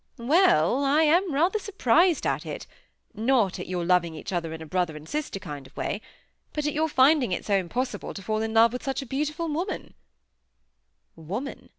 "Well, I am rather surprised at it—not at your loving each other in a brother and sister kind of way—but at your finding it so impossible to fall in love with such a beautiful woman." Woman!